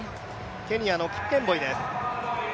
ケニアのキプケンボイです。